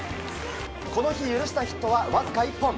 この日許したヒットはわずか１本。